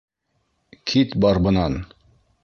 — Кит бар бынан!